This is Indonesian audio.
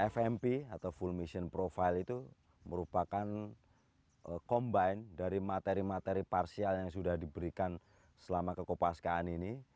fmp atau full mission profile itu merupakan combine dari materi materi parsial yang sudah diberikan selama kekopaskaan ini